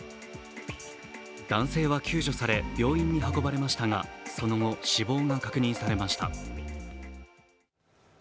男性は救助され、病院に運ばれましたがその後、死亡が確認されました。